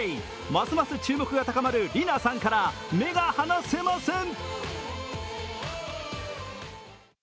ますます注目が高まるリナさんから目が離せません。